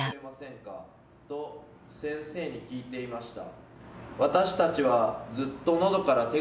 と先生に聞いていました。